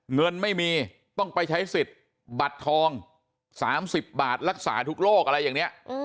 เงินไม่มีต้องไปใช้สิทธิ์บัตรทอง๓๐บาทรักษาทุกโรคอะไรอย่างนี้